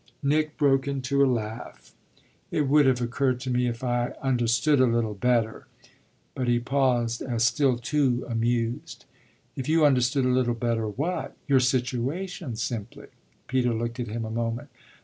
Nick broke into a laugh. "It would have occurred to me if I understood a little better !" But he paused, as still too amused. "If you understood a little better what?" "Your situation, simply." Peter looked at him a moment.